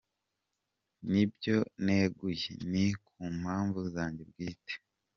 Ni byo neguye…Ni ku mpamvu zanjye bwite.